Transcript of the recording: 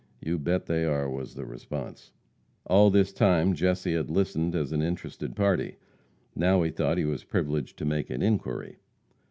"You bet they are," was the response. All this time Jesse had listened as an interested party. Now he thought he was privileged to make an inquiry.